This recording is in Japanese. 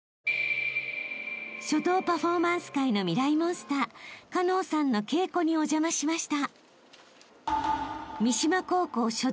［書道パフォーマンス界のミライ☆モンスター花音さんの稽古にお邪魔しました］